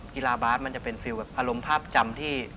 กีฬาบาสมันจะเป็นฟิลลแบบอารมณ์ภาพจำที่